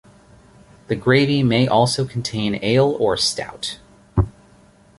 The gravy may also contain ale or stout.